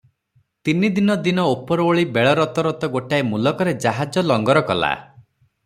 ତିନିଦିନ ଦିନ ଓପରଓଳି ବେଳ ରତରତ ଗୋଟାଏ ମୁଲକରେ ଜାହାଜ ଲଙ୍ଗର କଲା ।